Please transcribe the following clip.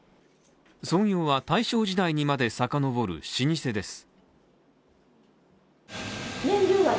創業は大正時代にまで遡る老舗です。